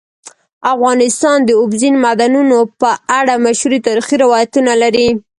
افغانستان د اوبزین معدنونه په اړه مشهور تاریخی روایتونه لري.